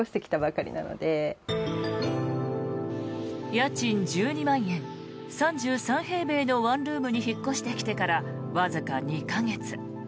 家賃１２万円３３平米のワンルームに引っ越してきてからわずか２か月。